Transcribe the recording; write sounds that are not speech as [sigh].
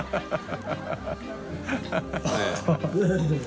ハハハ [laughs]